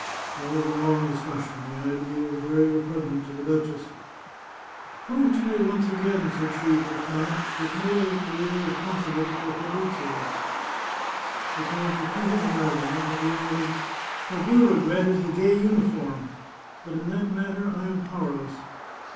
There was a long discussion; the idea was very repug nant to the duchess. " Prove to me once again," said she to the count, " that no other career is possible for Fabrizio." The count repeated his arguments, and he added :" What you regret is the gay uniform. But in that matter I am powerless."